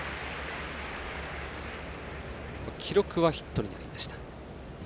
記録はヒットになりました。